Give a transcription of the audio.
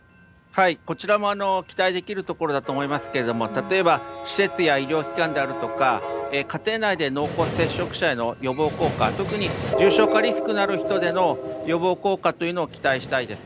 こちらも期待できるところだと思いますけれども、例えば施設や医療機関であるとか、家庭内で濃厚接触者への予防効果、特に重症化リスクのある人での予防効果というのを期待したいです。